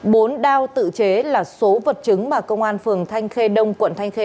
bốn đao tự chế là số vật chứng mà công an phường thanh khê đông quận thanh khê